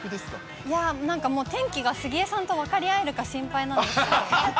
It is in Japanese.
いやぁ、なんか天気が杉江さんと分かり合えるか心配なんですけど。